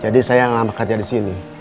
jadi saya lama kerja disini